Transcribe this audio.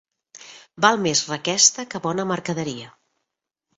Val més requesta que bona mercaderia.